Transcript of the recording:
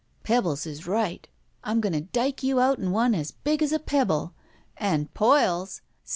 "Pebbles is right! I'm going to dike you out in one as big as a pebble. And poils!